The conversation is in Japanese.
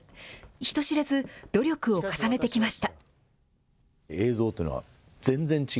人知れず、努力を重ねてきました。